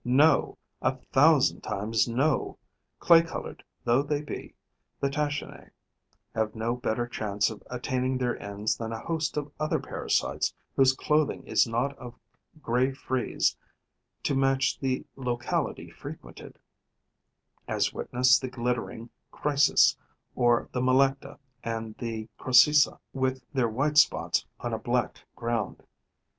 No, a thousand times no: clay coloured though they be, the Tachinae have no better chance of attaining their ends than a host of other parasites whose clothing is not of grey frieze to match the locality frequented, as witness the glittering Chrysis, or the Melecta and the Crocisa, with their white spots on a black ground.